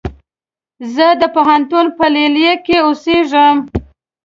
زه د پوهنتون په ليليه کې اوسيږم